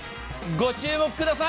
ご注目ください。